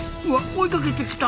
追いかけてきた！